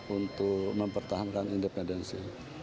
untuk mempertahankan independensi